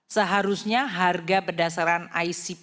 seharusnya harga berdasarkan icp satu ratus lima